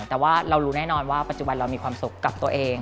แต่ว่าเรารู้แน่นอนว่าปัจจุบันเรามีความสุขกับตัวเอง